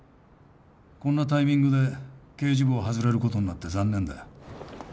こんなタイミングで刑事部を外れる事になって残念だよ。